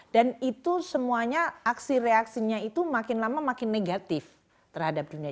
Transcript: dan itu semuanya aksi reaksinya itu makin lama makin negatif terhadap dunia